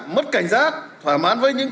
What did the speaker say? mất cảnh giác thoải mái với những